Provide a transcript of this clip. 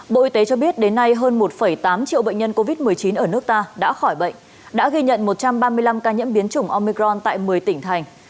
bộ y tế cho biết đến nay hơn một tám triệu bệnh nhân covid một mươi chín ở nước ta đã khỏi bệnh đã ghi nhận một trăm ba mươi năm ca nhiễm biến chủng omicron tại một mươi tỉnh thành